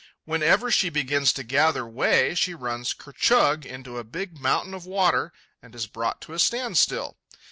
Whenever she begins to gather way, she runs ker chug into a big mountain of water and is brought to a standstill.